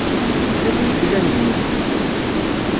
Tella tin i yellan dinna?